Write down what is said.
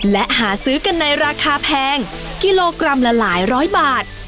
และหาซื้อกันในราคาแพงกิโลกรัมละหลายร้อยบาท